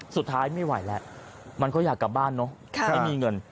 สุดท้ายไม่ไหวแล้วมันก็อยากกลับบ้านเนอะไม่มีเงิน